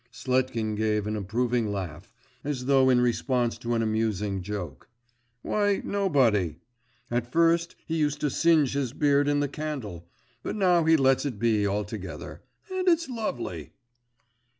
Sletkin gave an approving laugh, as though in response to an amusing joke. 'Why, nobody. At first he used to singe his beard in the candle but now he lets it be altogether. And it's lovely!